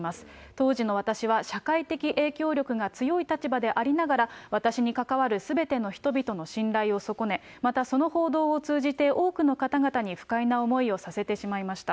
当時の私は、社会的影響力が強い立場でありながら、私に関わるすべての人々の信頼を損ね、またその報道を通じて多くの方々に不快な思いをさせてしまいました。